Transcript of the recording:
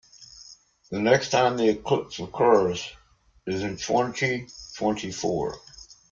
The next time the eclipse occurs is in twenty-twenty-four.